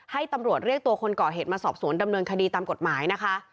ให้ตำรวจเรียกตัวคนก่อเหตุมาสอบสวนดำเนินคดีตามกฎหมายนะคะ